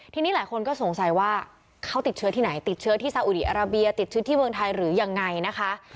ทีนี้หลายคนก็สงสัยว่าเขาติดเชื้อที่ไหนติดเชื้อที่ซาอุดีอาราเบียติดเชื้อที่เมืองไทยหรือยังไงนะคะ